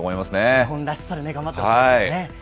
日本らしさで頑張ってほしいですね。